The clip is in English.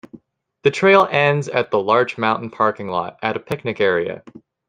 The trail ends at the Larch Mountain parking lot, at a picnic area.